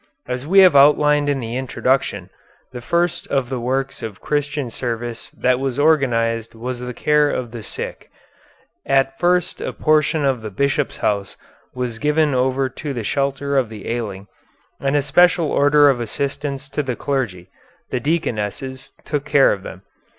As we have outlined in the Introduction, the first of the works of Christian service that was organized was the care of the sick. At first a portion of the bishop's house was given over to the shelter of the ailing, and a special order of assistants to the clergy, the deaconesses, took care of them.